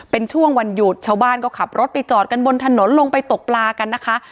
เป็นช่วงวันหยุดชาวบ้านก็ขับรถไปจอดกันบนถนนลงไปตกปลากันนะคะ